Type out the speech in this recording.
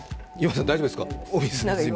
湯山さん、大丈夫ですか。